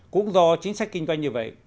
cũng do chính sách kinh doanh như vậy